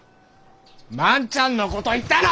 万ちゃんのこと言ったの！